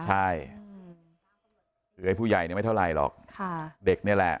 ใช่เหลือให้ผู้ใหญ่ไม่เท่าไรหรอกเด็กนี่แหละ